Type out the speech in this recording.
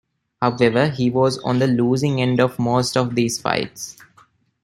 However, he was on the losing end of most of these fights.